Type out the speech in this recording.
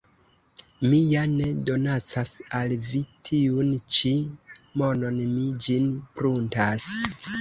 Mi ja ne donacas al vi tiun ĉi monon, mi ĝin pruntas.